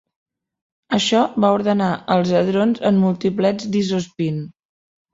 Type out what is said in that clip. Això va ordenar els hadrons en multiplets d'isospín.